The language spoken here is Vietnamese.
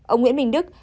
ông nguyễn minh đức